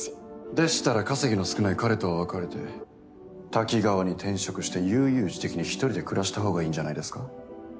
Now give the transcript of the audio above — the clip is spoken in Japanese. でしたら稼ぎの少ない彼とは別れてタキガワに転職して悠々自適に１人で暮らしたほうがいいんじゃないですか？